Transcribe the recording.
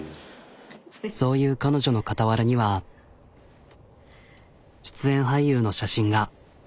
そういう彼女の傍らには出演俳優の写真が。